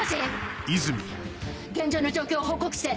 現場の状況を報告して！